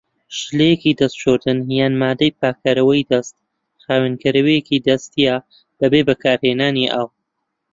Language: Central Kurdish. شلەیەکی دەست شۆردن یان مادەی پاکەرەوەی دەست خاوێنکەرەوەیەکی دەستیە بەبێ بەکارهێنانی ئاو.